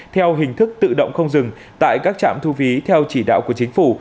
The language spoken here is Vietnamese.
theo hình thức tự động không dừng tại các trạm thu phí theo chỉ đạo của chính phủ